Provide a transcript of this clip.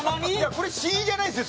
これ試飲じゃないすよ